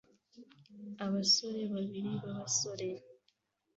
Abasore babiri b'abasore